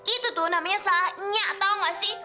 itu tuh namanya salahnya tau gak sih